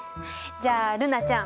じゃあ瑠菜ちゃん